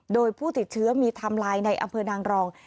โดยผู้ติดเชื้อมีไทม์ไลน์ในอำเภอนางรอง